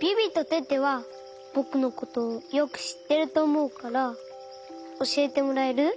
ビビとテテはぼくのことよくしってるとおもうからおしえてもらえる？